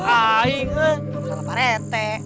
sama pak rt